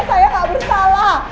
saya gak bersalah